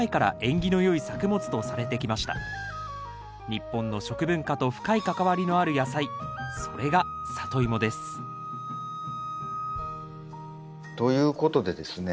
日本の食文化と深い関わりのある野菜それがサトイモですということでですね